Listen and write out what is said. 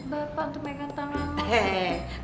bapak tuh pegang tangan lo